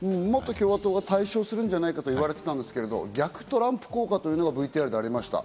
もっと共和党が大勝するんじゃないかと言われていましたが逆トランプ効果というのがリアルにありました。